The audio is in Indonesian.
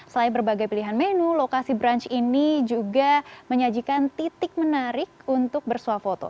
selain berbagai pilihan menu lokasi brunch ini juga menyajikan titik menarik untuk bersuah foto